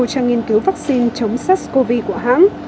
cho nghiên cứu vaccine chống sars cov của hãng